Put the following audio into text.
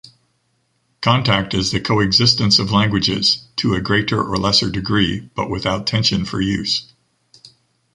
Contact is the coexistence of languages, to a greater or lesser degree, but without tension for use.